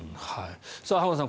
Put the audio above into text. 浜田さん